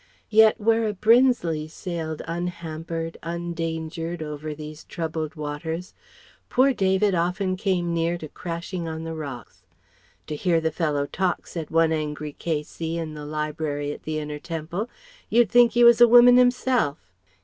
Yet where a Brinsley sailed unhampered, undangered over these troubled waters, poor David often came near to crashing on the rocks. "To hear the fellow talk," said one angry K.C. in the Library at the Inner Temple, "you'd think he was a woman himself!"